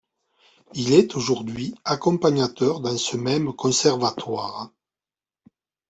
Il est aujourd'hui, accompagnateur dans ce même conservatoire.